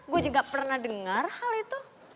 gue juga pernah dengar hal itu